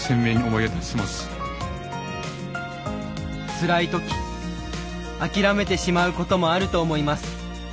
つらい時諦めてしまうこともあると思います。